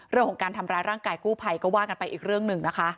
เรื่องของการทำร้ายร่างกายกู้ภัยก็ว่ากันไปอีกเรื่องหนึ่งนะคะ